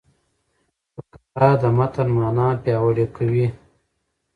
فقره د متن مانا پیاوړې کوي.